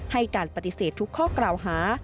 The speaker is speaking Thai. ให้การปฏิเสธทุกข้อกล่าวหา